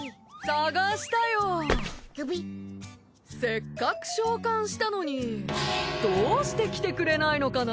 せっかく召喚したのにどうして来てくれないのかな？